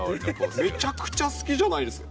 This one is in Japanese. めちゃくちゃ好きじゃないですか。